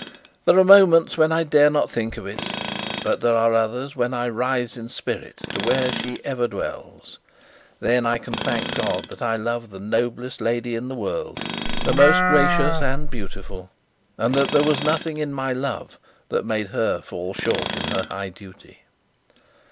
There are moments when I dare not think of it, but there are others when I rise in spirit to where she ever dwells; then I can thank God that I love the noblest lady in the world, the most gracious and beautiful, and that there was nothing in my love that made her fall short in her high duty.